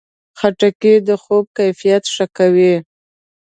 خټکی د خوب کیفیت ښه کوي.